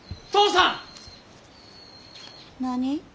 何？